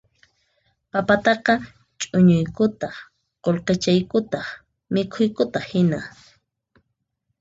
Papataqa chuñuykutaq qullqichaykutaq mikhuykutaq hinan